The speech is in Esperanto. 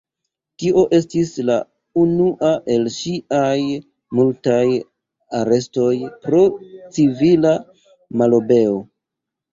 Tio estis la unua el ŝiaj multaj arestoj pro civila malobeo.